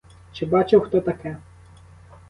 Чи бачив хто таке?